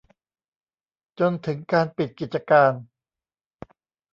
จนถึงการปิดกิจการ